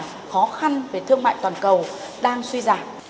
trong bối cảnh khó khăn về thương mại toàn cầu đang suy giảm